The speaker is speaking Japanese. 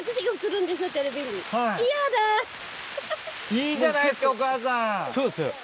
いいじゃないですかお母さん。